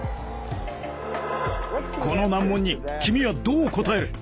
この難問に君はどう答える。